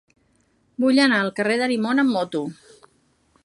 Vull anar al carrer d'Arimon amb moto.